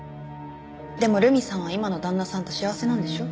でも留美さんは今の旦那さんと幸せなんでしょ？